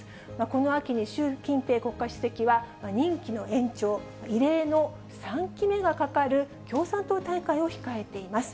この秋に習近平国家主席は、任期の延長、異例の３期目がかかる共産党大会を控えています。